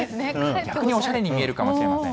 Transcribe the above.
逆におしゃれに見えるかもしれません。